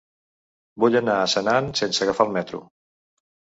Vull anar a Senan sense agafar el metro.